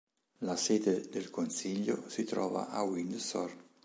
La sede del consiglio si trova a Windsor.